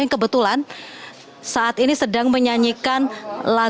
yang kebetulan saat ini sedang menyanyikan lagu